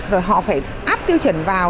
rồi họ phải áp tiêu chuẩn vào